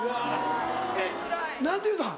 えっ何て言うたん？